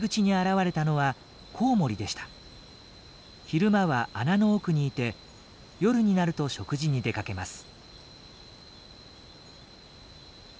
昼間は穴の奥にいて夜になると食事に出かけます。